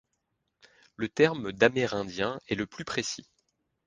Le terme d'amérindien est le plus précis.